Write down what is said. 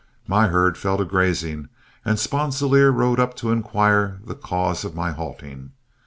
My herd fell to grazing, and Sponsilier rode up to inquire the cause of my halting.